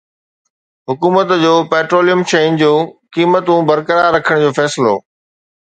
حڪومت جو پيٽروليم شين جون قيمتون برقرار رکڻ جو فيصلو